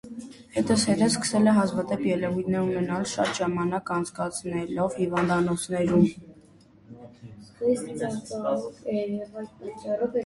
Հետզհետե սկսել է հազվադեպ ելույթներ ունենալ՝ շատ ժամանակ անցկացնելով հիվանդանոցներում։